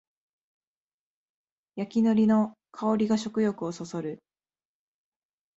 焼きのりの香りが食欲をそそる